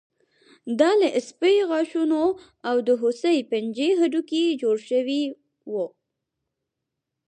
دا له سپي غاښونو او د هوسۍ پنجې هډوکي جوړ شوي وو